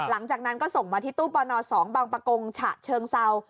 หลังจากนั้นก็ส่งมาที่ตู้ปน๒บางประกงฉะเชิงเซา